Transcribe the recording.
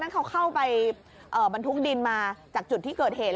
เขาเข้าไปบรรทุกดินมาจากจุดที่เกิดเหตุ